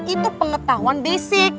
itu pengetahuan basic